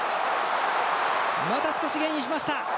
また少しゲインしました。